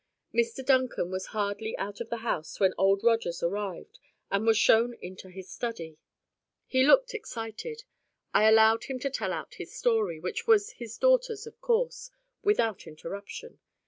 Dr Duncan was hardly out of the house when Old Rogers arrived, and was shown into the study. He looked excited. I allowed him to tell out his story, which was his daughter's of course, without interruption.